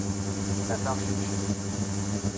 Ad aɣ-cneclen!